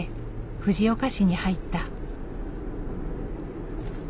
藤岡市に入った。